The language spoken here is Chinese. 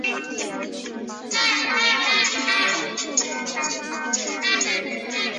珠海出租车是指在中国广东省珠海市服务的出租车。